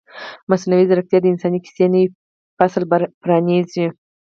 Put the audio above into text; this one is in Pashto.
مصنوعي ځیرکتیا د انساني کیسې نوی فصل پرانیزي.